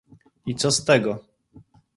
I co z tego?